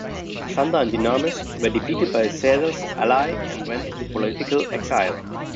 Asander and Dynamis were defeated by Caesar's ally and went into political exile.